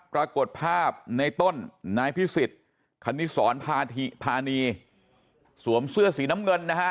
ปรากฏภาพในต้นนายพิสิทธิ์คณิสรพาธิพานีสวมเสื้อสีน้ำเงินนะฮะ